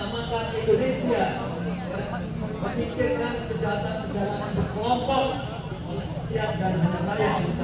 maka lebih cepat rakyat indonesia